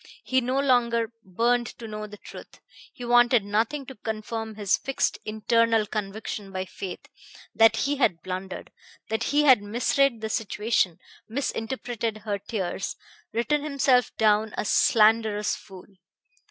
He no longer burned to know the truth; he wanted nothing to confirm his fixed internal conviction by faith, that he had blundered, that he had misread the situation, misinterpreted her tears, written himself down a slanderous fool.